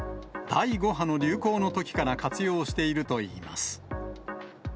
第５波の流行のときから活用しているといいます。